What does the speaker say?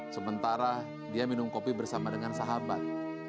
sementara dia minum kopi bersama dengan sahabat